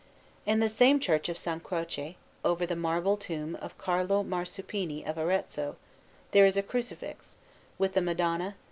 In the same Church of S. Croce, over the marble tomb of Carlo Marsuppini of Arezzo, there is a Crucifix, with the Madonna, S.